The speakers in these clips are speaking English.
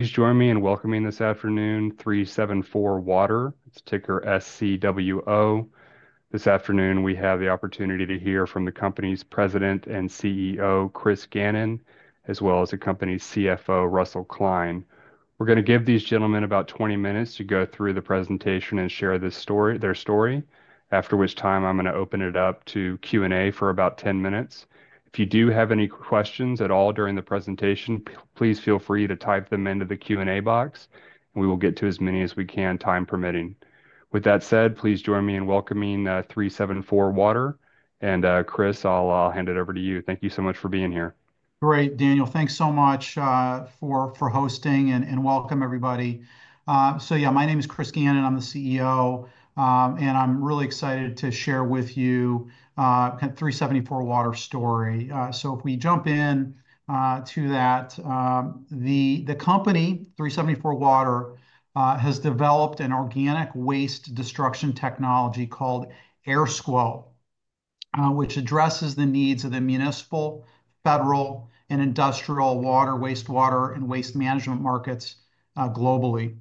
Thanks for joining me and welcoming, this afternoon, 374Water. Its ticker SCWO. This afternoon we have the opportunity to hear from the company's President and CEO, Chris Gannon, as well as the company's CFO, Russell Klein. We're going to give these gentlemen about 20 minutes to go through the presentation and share this story, their story, after which time I'm going to open it up to Q&A for about 10 minutes. If you do have any questions at all during the presentation, please feel free to type them into the Q&A box, and we will get to as many as we can, time permitting. With that said, please join me in welcoming 374Water, and Chris, I'll hand it over to you. Thank you so much for being here. Great, Daniel. Thanks so much for hosting, and welcome, everybody. So yeah, my name is Chris Gannon. I'm the CEO, and I'm really excited to share with you 374Water's story. So if we jump into that, the company, 374Water, has developed an organic waste destruction technology called AirSCWO, which addresses the needs of the municipal, federal, and industrial water, wastewater, and waste management markets globally.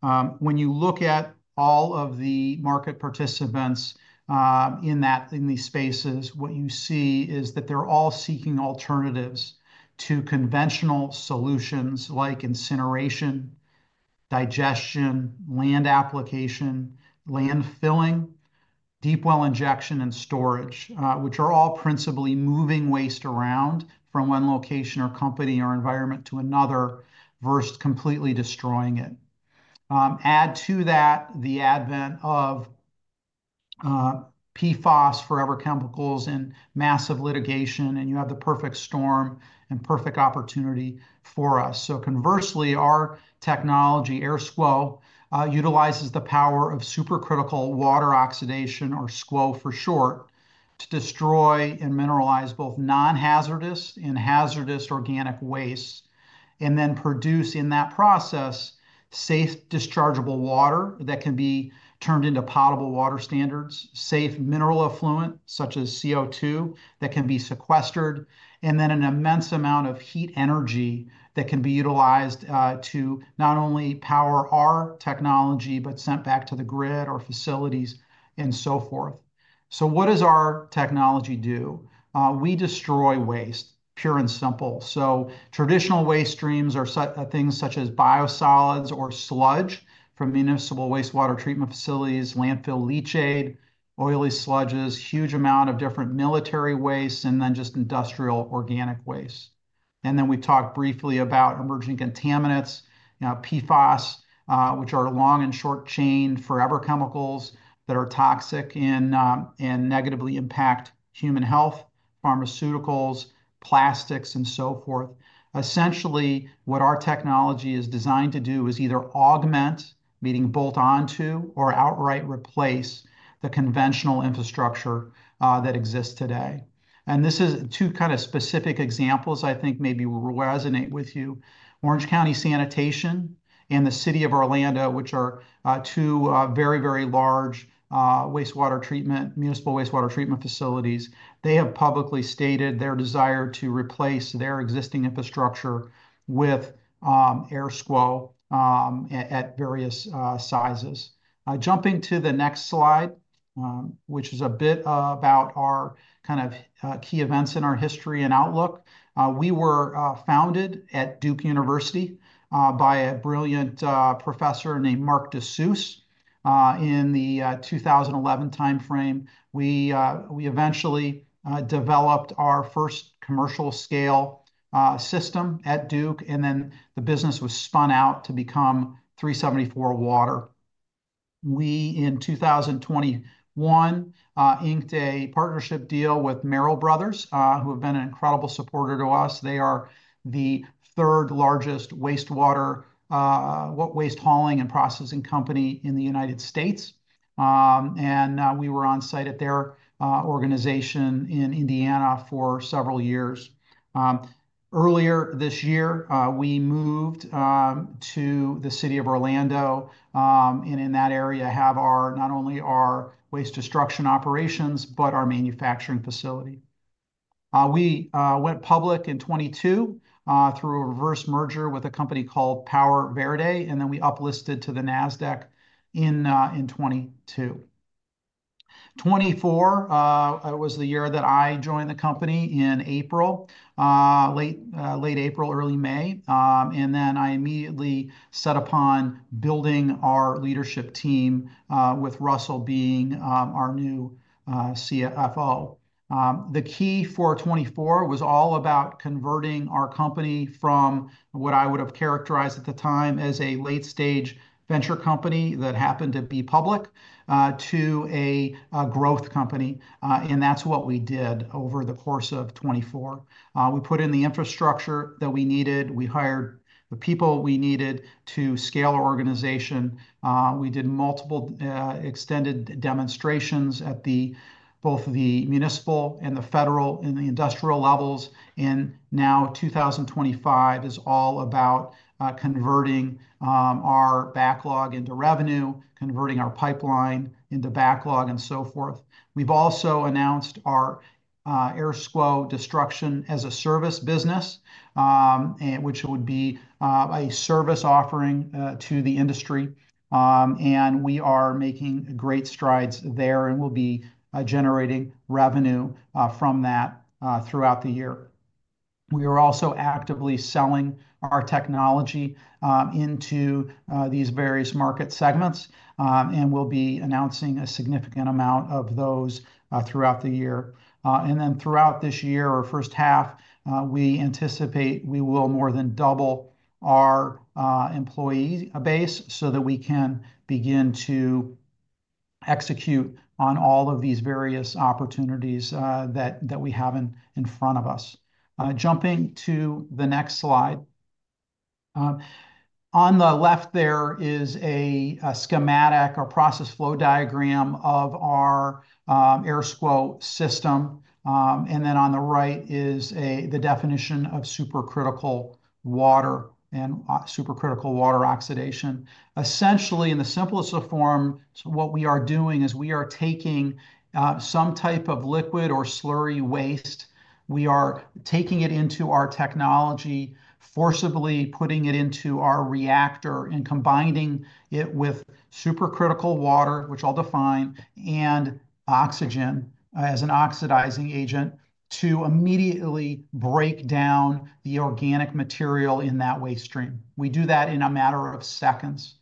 When you look at all of the market participants in these spaces, what you see is that they're all seeking alternatives to conventional solutions like incineration, digestion, land application, landfilling, deep well injection, and storage, which are all principally moving waste around from one location or company or environment to another versus completely destroying it. Add to that the advent of PFAS, forever chemicals, and massive litigation, and you have the perfect storm and perfect opportunity for us. So conversely, our technology, AirSCWO, utilizes the power of supercritical water oxidation, or SCWO for short, to destroy and mineralize both non-hazardous and hazardous organic waste, and then produce in that process safe dischargeable water that can be turned into potable water standards, safe mineral effluent such as CO2 that can be sequestered, and then an immense amount of heat energy that can be utilized to not only power our technology but sent back to the grid or facilities and so forth. So what does our technology do? We destroy waste, pure and simple. So traditional waste streams are things such as biosolids or sludge from municipal wastewater treatment facilities, landfill leachate, oily sludges, huge amount of different military waste, and then just industrial organic waste. Then we talked briefly about emerging contaminants, PFAS, which are long and short-chain forever chemicals that are toxic and negatively impact human health, pharmaceuticals, plastics, and so forth. Essentially, what our technology is designed to do is either augment, meaning bolt onto, or outright replace the conventional infrastructure that exists today. This is two kind of specific examples I think maybe will resonate with you. Orange County Sanitation and the City of Orlando, which are two very, very large municipal wastewater treatment facilities, they have publicly stated their desire to replace their existing infrastructure with AirSCWO at various sizes. Jumping to the next slide, which is a bit about our kind of key events in our history and outlook, we were founded at Duke University by a brilliant professor named Marc Deshusses in the 2011 timeframe. We eventually developed our first commercial-scale system at Duke, and then the business was spun out to become 374Water. We, in 2021, inked a partnership deal with Merrell Bros, who have been an incredible supporter to us. They are the third largest wastewater waste hauling and processing company in the United States. We were on site at their organization in Indiana for several years. Earlier this year, we moved to the City of Orlando and in that area have not only our waste destruction operations but our manufacturing facility. We went public in 2022 through a reverse merger with a company called PowerVerde, and then we uplisted to the Nasdaq in 2022. 2024 was the year that I joined the company in April, late April, early May, and then I immediately set upon building our leadership team with Russell being our new CFO. The key for 2024 was all about converting our company from what I would have characterized at the time as a late-stage venture company that happened to be public to a growth company. And that's what we did over the course of 2024. We put in the infrastructure that we needed. We hired the people we needed to scale our organization. We did multiple extended demonstrations at both the municipal and the federal and the industrial levels. And now 2025 is all about converting our backlog into revenue, converting our pipeline into backlog, and so forth. We've also announced our AirSCWO Destruction as a Service business, which would be a service offering to the industry. And we are making great strides there and will be generating revenue from that throughout the year. We are also actively selling our technology into these various market segments and will be announcing a significant amount of those throughout the year, and then throughout this year or first half, we anticipate we will more than double our employee base so that we can begin to execute on all of these various opportunities that we have in front of us. Jumping to the next slide. On the left, there is a schematic or process flow diagram of our AirSCWO system, and then on the right is the definition of supercritical water and supercritical water oxidation. Essentially, in the simplest of form, what we are doing is we are taking some type of liquid or slurry waste. We are taking it into our technology, forcibly putting it into our reactor and combining it with supercritical water, which I'll define, and oxygen as an oxidizing agent to immediately break down the organic material in that waste stream. We do that in a matter of seconds,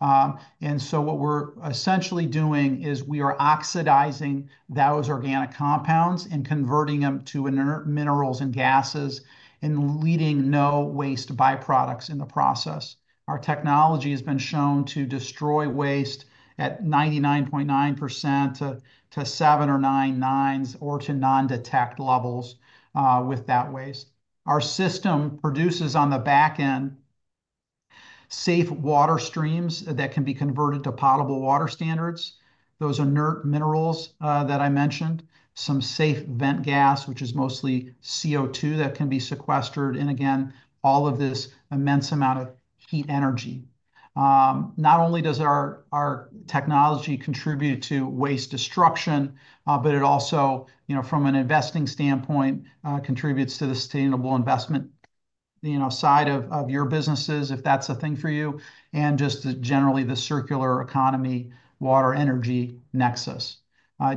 and so what we're essentially doing is we are oxidizing those organic compounds and converting them to minerals and gases and leaving no waste byproducts in the process. Our technology has been shown to destroy waste at 99.9% to seven or nine nines or to non-detect levels with that waste. Our system produces on the back end safe water streams that can be converted to potable water standards, those inert minerals that I mentioned, some safe vent gas, which is mostly CO2 that can be sequestered, and again, all of this immense amount of heat energy. Not only does our technology contribute to waste destruction, but it also, from an investing standpoint, contributes to the sustainable investment side of your businesses if that's a thing for you, and just generally the circular economy water energy nexus.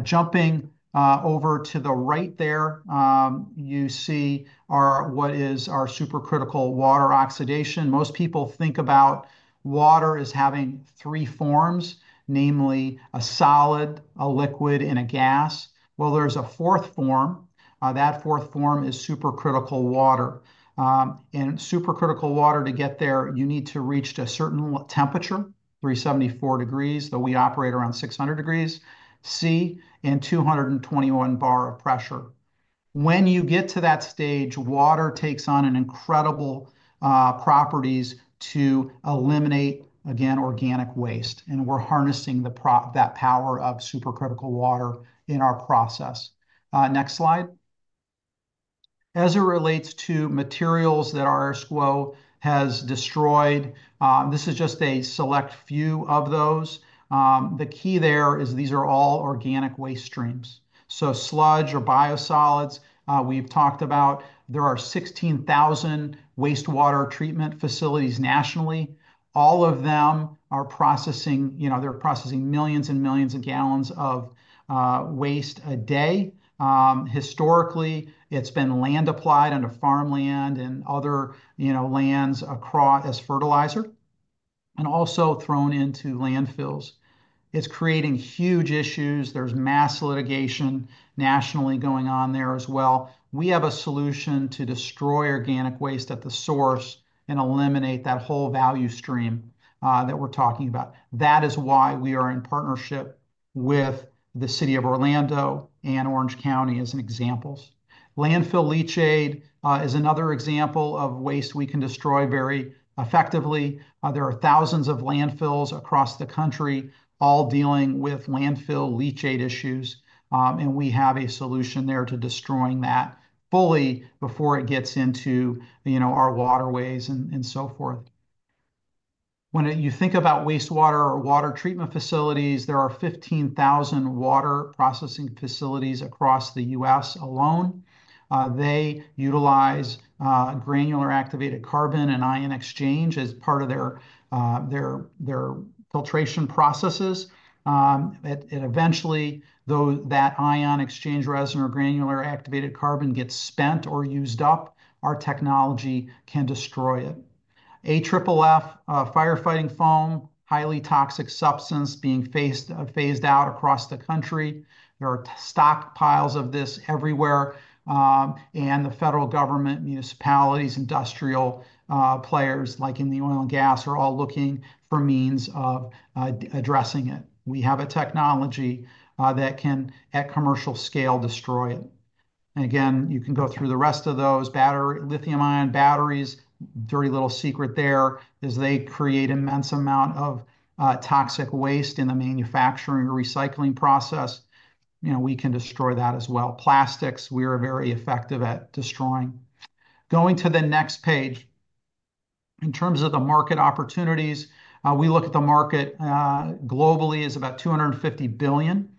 Jumping over to the right there, you see what is our supercritical water oxidation. Most people think about water as having three forms, namely a solid, a liquid, and a gas. Well, there's a fourth form. That fourth form is supercritical water. And supercritical water, to get there, you need to reach a certain temperature, 374 degrees Celsius, though we operate around 600 degrees Celsius and 221 bar of pressure. When you get to that stage, water takes on incredible properties to eliminate, again, organic waste. And we're harnessing that power of supercritical water in our process. Next slide. As it relates to materials that our AirSCWO has destroyed, this is just a select few of those. The key there is these are all organic waste streams. So sludge or biosolids, we've talked about, there are 16,000 wastewater treatment facilities nationally. All of them are processing, they're processing millions and millions of gallons of waste a day. Historically, it's been land applied onto farmland and other lands as fertilizer and also thrown into landfills. It's creating huge issues. There's mass litigation nationally going on there as well. We have a solution to destroy organic waste at the source and eliminate that whole value stream that we're talking about. That is why we are in partnership with the City of Orlando and Orange County as examples. Landfill leachate is another example of waste we can destroy very effectively. There are thousands of landfills across the country all dealing with landfill leachate issues, and we have a solution there to destroying that fully before it gets into our waterways and so forth. When you think about wastewater or water treatment facilities, there are 15,000 water processing facilities across the U.S. alone. They utilize granular activated carbon and ion exchange as part of their filtration processes. Eventually, that ion exchange resin or granular activated carbon gets spent or used up. Our technology can destroy it. AFFF, firefighting foam, highly toxic substance being phased out across the country. There are stockpiles of this everywhere, and the federal government, municipalities, industrial players like in the oil and gas are all looking for means of addressing it. We have a technology that can, at commercial scale, destroy it, and again, you can go through the rest of those lithium-ion batteries. Dirty little secret there is they create an immense amount of toxic waste in the manufacturing or recycling process. We can destroy that as well. Plastics, we are very effective at destroying. Going to the next page. In terms of the market opportunities, we look at the market globally as about $250 billion.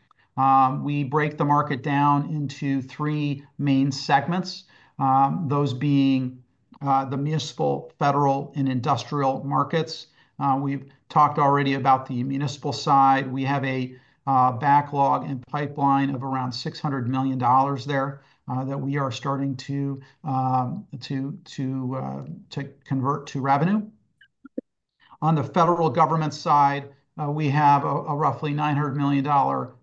We break the market down into three main segments, those being the municipal, federal, and industrial markets. We've talked already about the municipal side. We have a backlog and pipeline of around $600 million there that we are starting to convert to revenue. On the federal government side, we have a roughly $900 million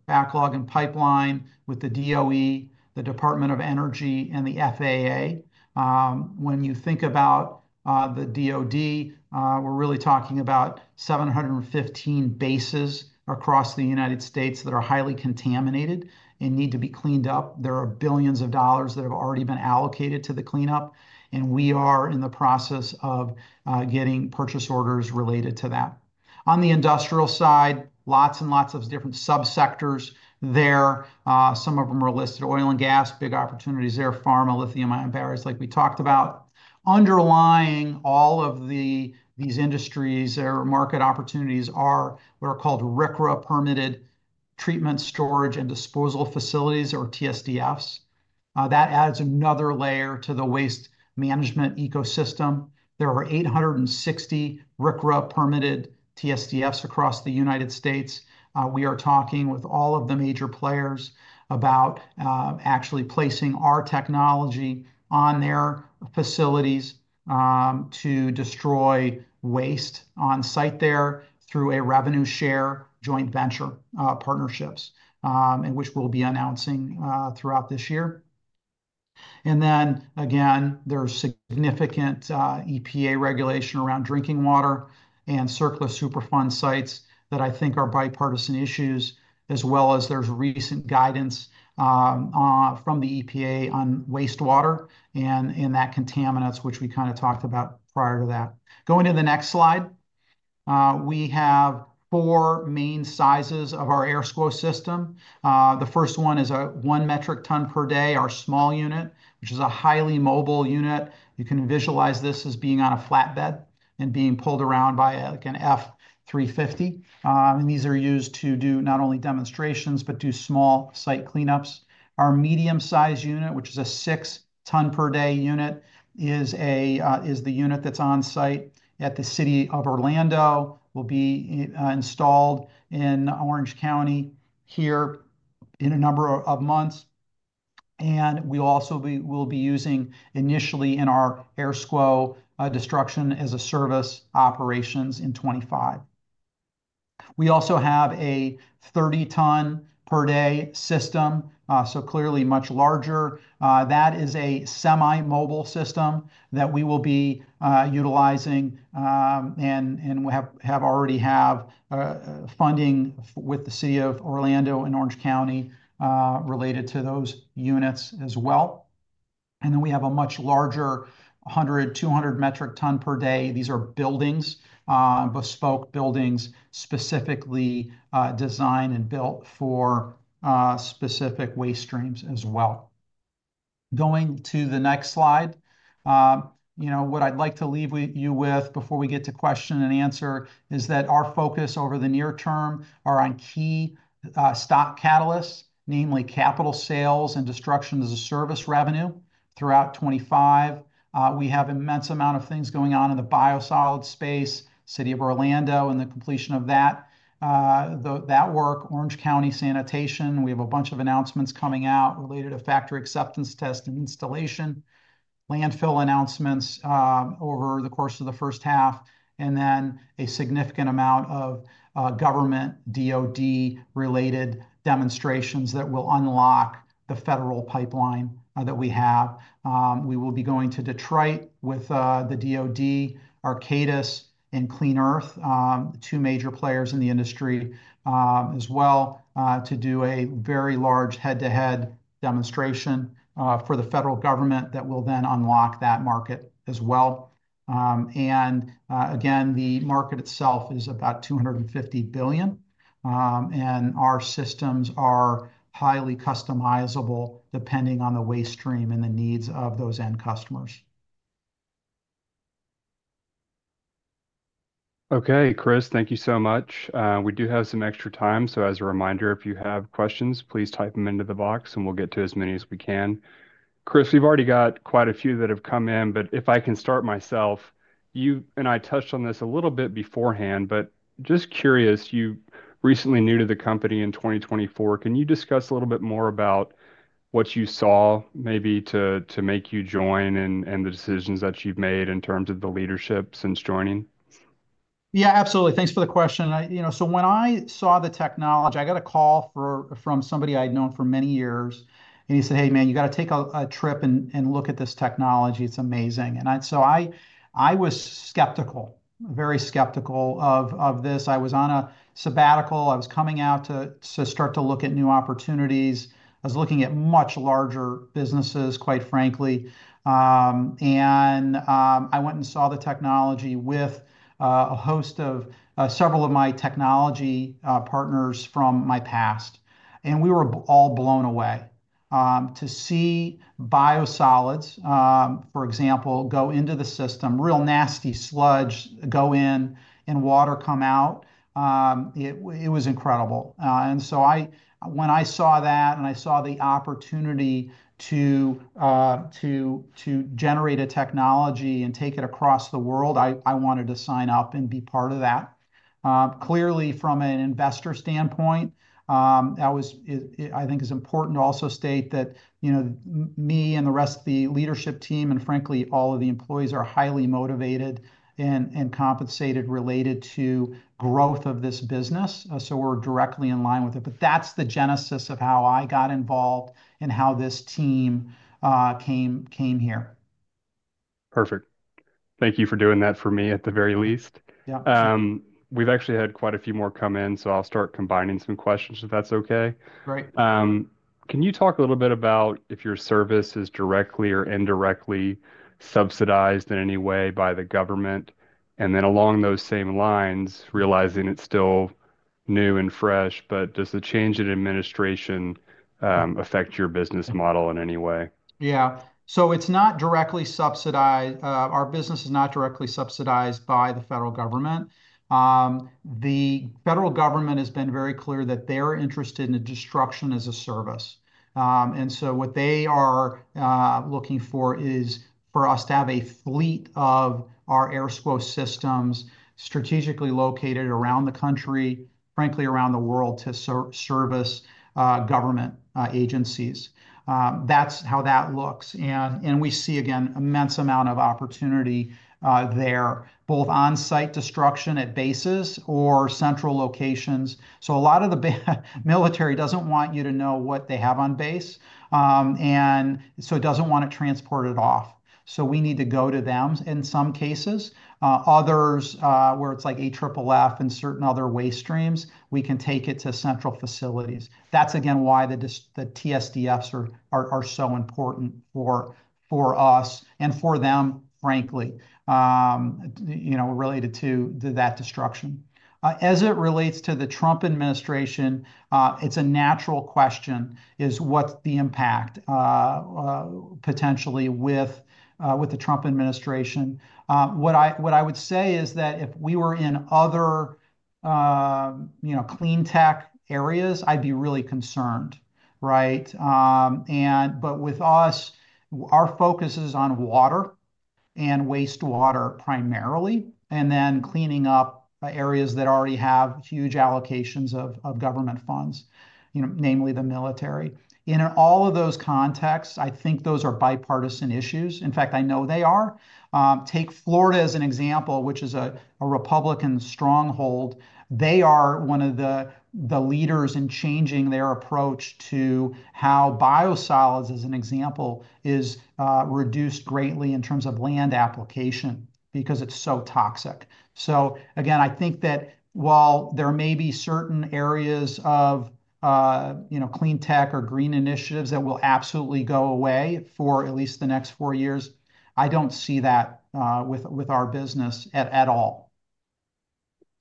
backlog and pipeline with the DOE, the Department of Energy, and the FAA. When you think about the DOD, we're really talking about 715 bases across the United States that are highly contaminated and need to be cleaned up. There are billions of dollars that have already been allocated to the cleanup, and we are in the process of getting purchase orders related to that. On the industrial side, lots and lots of different subsectors there. Some of them are listed: oil and gas, big opportunities there, pharma, lithium-ion batteries like we talked about. Underlying all of these industries or market opportunities are what are called RCRA permitted treatment, storage, and disposal facilities or TSDFs. That adds another layer to the waste management ecosystem. There are 860 RCRA permitted TSDFs across the United States. We are talking with all of the major players about actually placing our technology on their facilities to destroy waste on site there through a revenue share joint venture partnerships, which we'll be announcing throughout this year. Then, again, there's significant EPA regulation around drinking water and Superfund sites that I think are bipartisan issues, as well as there's recent guidance from the EPA on wastewater and that contaminants, which we kind of talked about prior to that. Going to the next slide, we have four main sizes of our AirSCWO system. The first one is a one metric ton per day, our small unit, which is a highly mobile unit. You can visualize this as being on a flatbed and being pulled around by an F350. These are used to do not only demonstrations but do small site cleanups. Our medium-sized unit, which is a six-ton per day unit, is the unit that's on site at the City of Orlando, will be installed in Orange County here in a number of months. We also will be using initially in our AirSCWO Destruction as a Service operations in 2025. We also have a 30-ton per day system, so clearly much larger. That is a semi-mobile system that we will be utilizing and already have funding with the City of Orlando and Orange County related to those units as well. Then we have a much larger 100-200 metric ton per day. These are buildings, bespoke buildings specifically designed and built for specific waste streams as well. Going to the next slide, what I'd like to leave you with before we get to question and answer is that our focus over the near term are on key stock catalysts, namely capital sales and destruction as a service revenue throughout 2025. We have an immense amount of things going on in the biosolids space, City of Orlando and the completion of that work, Orange County Sanitation. We have a bunch of announcements coming out related to factory acceptance test and installation, landfill announcements over the course of the first half, and then a significant amount of government DOD-related demonstrations that will unlock the federal pipeline that we have. We will be going to Detroit with the DOD, Arcadis, and Clean Earth, two major players in the industry as well, to do a very large head-to-head demonstration for the federal government that will then unlock that market as well. And again, the market itself is about $250 billion. And our systems are highly customizable depending on the waste stream and the needs of those end customers. Okay, Chris, thank you so much. We do have some extra time. As a reminder, if you have questions, please type them into the box and we'll get to as many as we can. Chris, we've already got quite a few that have come in, but if I can start myself, you and I touched on this a little bit beforehand, but just curious, you're recently new to the company in 2024. Can you discuss a little bit more about what you saw maybe to make you join and the decisions that you've made in terms of the leadership since joining? Yeah, absolutely. Thanks for the question. So when I saw the technology, I got a call from somebody I'd known for many years. And he said, "Hey, man, you got to take a trip and look at this technology. It's amazing." And so I was skeptical, very skeptical of this. I was on a sabbatical. I was coming out to start to look at new opportunities. I was looking at much larger businesses, quite frankly. And I went and saw the technology with a host of several of my technology partners from my past. And we were all blown away to see biosolids, for example, go into the system, real nasty sludge go in and water come out. It was incredible. And so when I saw that and I saw the opportunity to generate a technology and take it across the world, I wanted to sign up and be part of that. Clearly, from an investor standpoint, I think it's important to also state that me and the rest of the leadership team and, frankly, all of the employees are highly motivated and compensated related to growth of this business. So we're directly in line with it. But that's the genesis of how I got involved and how this team came here. Perfect. Thank you for doing that for me at the very least. We've actually had quite a few more come in, so I'll start combining some questions if that's okay. Can you talk a little bit about if your service is directly or indirectly subsidized in any way by the government? And then along those same lines, realizing it's still new and fresh, but does the change in administration affect your business model in any way? Yeah. So it's not directly subsidized. Our business is not directly subsidized by the federal government. The federal government has been very clear that they're interested in destruction as a service. And so what they are looking for is for us to have a fleet of our AirSCWO systems strategically located around the country, frankly, around the world to service government agencies. That's how that looks. And we see, again, an immense amount of opportunity there, both on-site destruction at bases or central locations. So a lot of the military doesn't want you to know what they have on base. And so it doesn't want to transport it off. So we need to go to them in some cases. Others, where it's like AFFF and certain other waste streams, we can take it to central facilities. That's, again, why the TSDFs are so important for us and for them, frankly, related to that destruction. As it relates to the Trump administration, it's a natural question: what's the impact potentially with the Trump administration? What I would say is that if we were in other clean tech areas, I'd be really concerned, right? But with us, our focus is on water and wastewater primarily, and then cleaning up areas that already have huge allocations of government funds, namely the military. In all of those contexts, I think those are bipartisan issues. In fact, I know they are. Take Florida as an example, which is a Republican stronghold. They are one of the leaders in changing their approach to how biosolids, as an example, is reduced greatly in terms of land application because it's so toxic. So again, I think that while there may be certain areas of clean tech or green initiatives that will absolutely go away for at least the next four years, I don't see that with our business at all.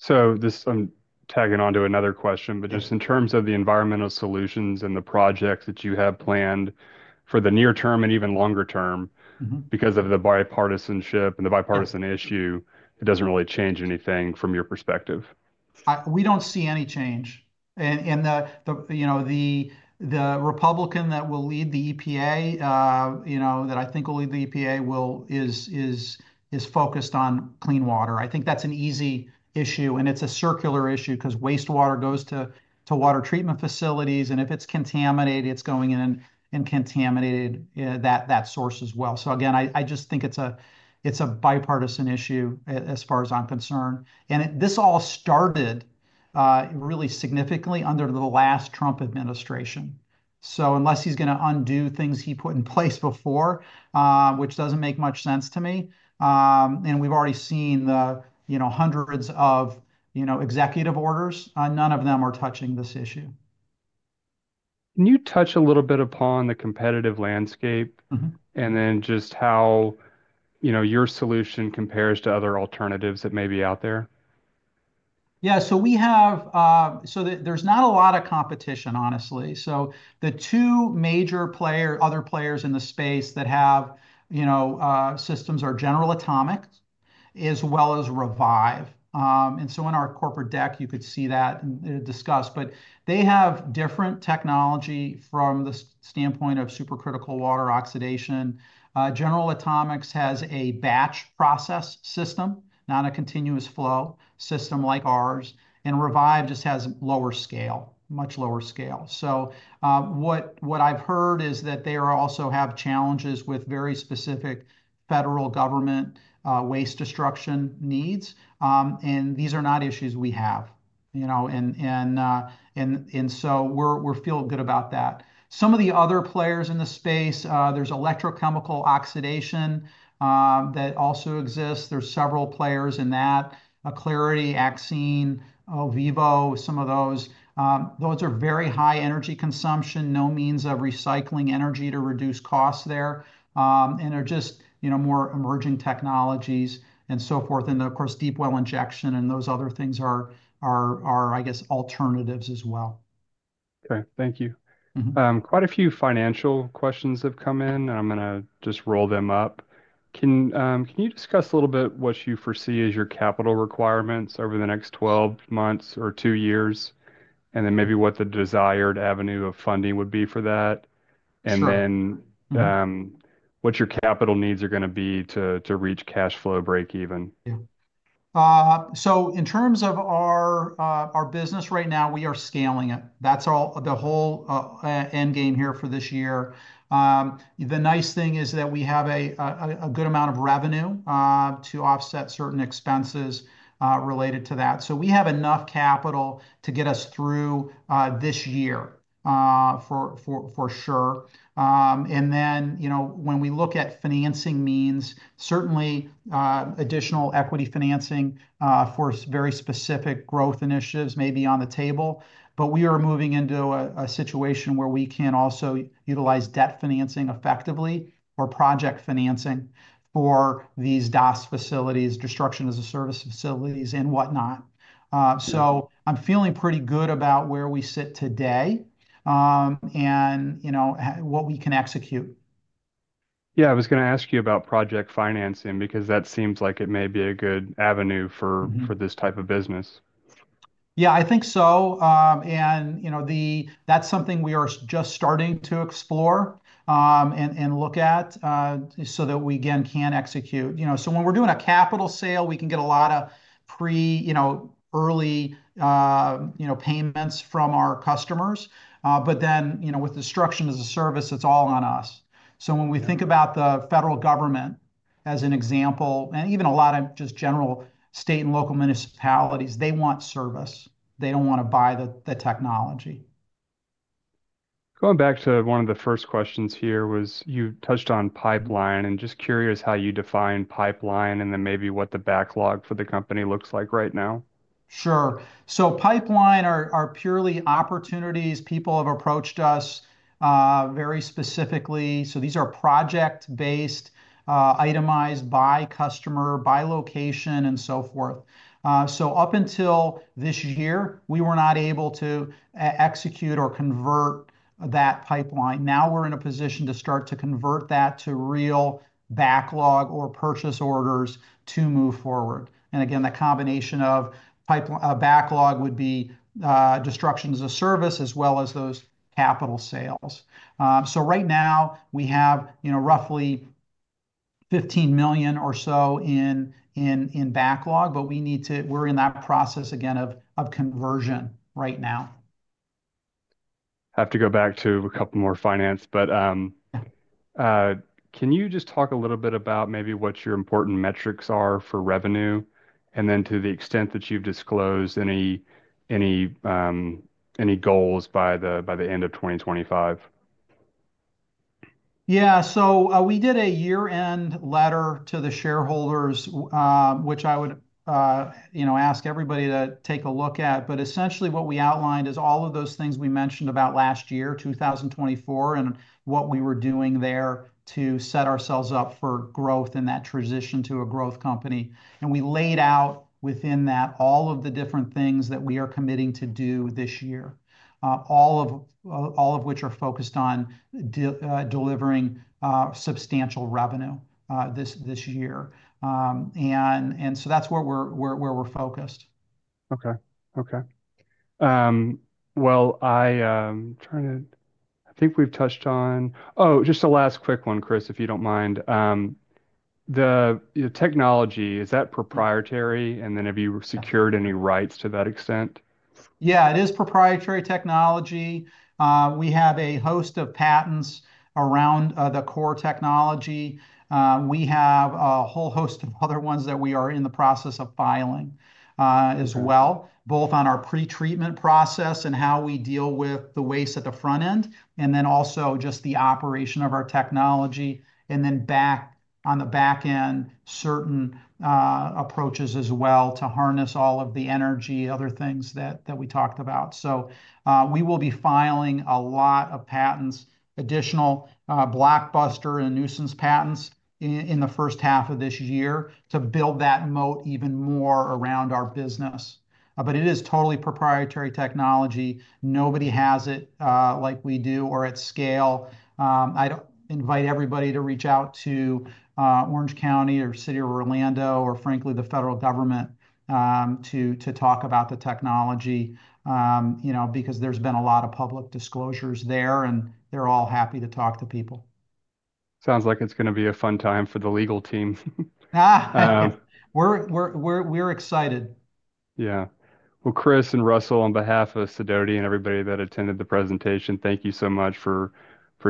This is tagging on to another question, but just in terms of the environmental solutions and the projects that you have planned for the near term and even longer term, because of the bipartisanship and the bipartisan issue, it doesn't really change anything from your perspective. We don't see any change. The Republican that will lead the EPA, that I think will lead the EPA, is focused on clean water. I think that's an easy issue. It's a circular issue because wastewater goes to water treatment facilities. If it's contaminated, it's going in and contaminated that source as well. Again, I just think it's a bipartisan issue as far as I'm concerned. This all started really significantly under the last Trump administration. Unless he's going to undo things he put in place before, which doesn't make much sense to me. We've already seen hundreds of executive orders. None of them are touching this issue. Can you touch a little bit upon the competitive landscape and then just how your solution compares to other alternatives that may be out there? Yeah. There's not a lot of competition, honestly. So the two major other players in the space that have systems are General Atomics as well as Revive. And so in our corporate deck, you could see that and discuss. But they have different technology from the standpoint of supercritical water oxidation. General Atomics has a batch process system, not a continuous flow system like ours. And Revive just has lower scale, much lower scale. So what I've heard is that they also have challenges with very specific federal government waste destruction needs. And these are not issues we have. And so we're feeling good about that. Some of the other players in the space, there's electrochemical oxidation that also exists. There's several players in that: Aclarity, Axine, Vivo, some of those. Those are very high energy consumption, no means of recycling energy to reduce costs there. And they're just more emerging technologies and so forth. And of course, Deep Well Injection and those other things are, I guess, alternatives as well. Okay. Thank you. Quite a few financial questions have come in, and I'm going to just roll them up. Can you discuss a little bit what you foresee as your capital requirements over the next 12 months or two years? And then maybe what the desired avenue of funding would be for that. And then what your capital needs are going to be to reach cash flow breakeven. Yeah. So in terms of our business right now, we are scaling it. That's the whole end game here for this year. The nice thing is that we have a good amount of revenue to offset certain expenses related to that. So we have enough capital to get us through this year for sure, and then when we look at financing means, certainly additional equity financing for very specific growth initiatives may be on the table, but we are moving into a situation where we can also utilize debt financing effectively or project financing for these DOD facilities, destruction as a service facilities, and whatnot, so I'm feeling pretty good about where we sit today and what we can execute. Yeah. I was going to ask you about project financing because that seems like it may be a good avenue for this type of business. Yeah, I think so. That's something we are just starting to explore and look at so that we, again, can execute. When we're doing a capital sale, we can get a lot of pre-early payments from our customers. Then with destruction as a service, it's all on us. When we think about the federal government as an example, and even a lot of just general state and local municipalities, they want service. They don't want to buy the technology. Going back to one of the first questions here was you touched on pipeline and just curious how you define pipeline and then maybe what the backlog for the company looks like right now. Sure. Pipeline are purely opportunities. People have approached us very specifically. These are project-based, itemized by customer, by location, and so forth. Up until this year, we were not able to execute or convert that pipeline. Now we're in a position to start to convert that to real backlog or purchase orders to move forward. And again, the combination of backlog would be destruction as a service as well as those capital sales. So right now, we have roughly $15 million or so in backlog, but we're in that process, again, of conversion right now. Have to go back to a couple more finance, but can you just talk a little bit about maybe what your important metrics are for revenue and then to the extent that you've disclosed any goals by the end of 2025? Yeah. So we did a year-end letter to the shareholders, which I would ask everybody to take a look at. But essentially, what we outlined is all of those things we mentioned about last year, 2024, and what we were doing there to set ourselves up for growth in that transition to a growth company. And we laid out within that all of the different things that we are committing to do this year, all of which are focused on delivering substantial revenue this year. And so that's where we're focused. Okay. Okay. Well, I'm trying to, I think we've touched on, oh, just a last quick one, Chris, if you don't mind. The technology, is that proprietary? And then have you secured any rights to that extent? Yeah, it is proprietary technology. We have a host of patents around the core technology. We have a whole host of other ones that we are in the process of filing as well, both on our pre-treatment process and how we deal with the waste at the front end, and then also just the operation of our technology and then on the back end, certain approaches as well to harness all of the energy, other things that we talked about, so we will be filing a lot of patents, additional blockbuster and nuisance patents in the first half of this year to build that moat even more around our business but it is totally proprietary technology. Nobody has it like we do or at scale. I invite everybody to reach out to Orange County or City of Orlando or, frankly, the federal government to talk about the technology because there's been a lot of public disclosures there, and they're all happy to talk to people. Sounds like it's going to be a fun time for the legal team. We're excited. Yeah. Well, Chris and Russell, on behalf of Sidoti and everybody that attended the presentation, thank you so much for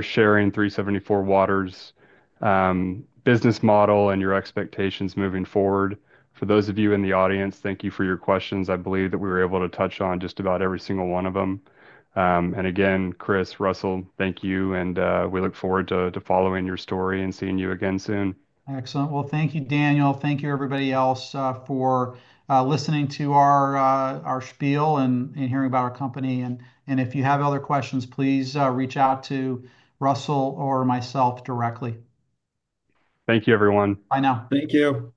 sharing 374Water's business model and your expectations moving forward. For those of you in the audience, thank you for your questions. I believe that we were able to touch on just about every single one of them. Again, Chris, Russell, thank you. We look forward to following your story and seeing you again soon. Excellent. Well, thank you, Daniel. Thank you, everybody else, for listening to our spiel and hearing about our company. If you have other questions, please reach out to Russell or myself directly. Thank you, everyone. Bye now. Thank you.